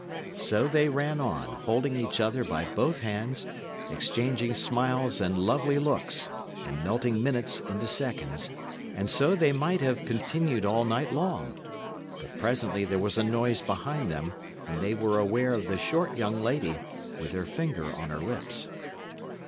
So they ran on, holding each other by both hands, exchanging smiles and lovely looks, and melting minutes into seconds; and so they might have continued all night long. But presently there was a noise behind them; and they were aware of the short young lady, with her finger on her lips.